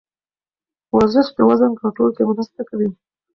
ورزش د وزن کنټرول کې مرسته کوي.